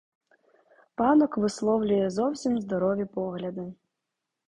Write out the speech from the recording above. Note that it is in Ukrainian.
Панок висловлює зовсім здорові погляди.